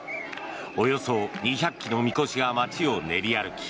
およそ２００基のみこしが街を練り歩き